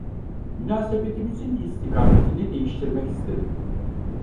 Münasebetimizin istikametini değiştirmek istedim…